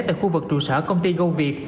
tại khu vực trụ sở công ty goviet